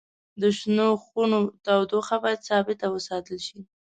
د شنو خونو تودوخه باید ثابت وساتل شي.